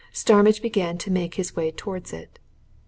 Starmidge began to make his way towards it.